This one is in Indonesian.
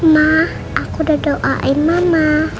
mah aku udah doain mama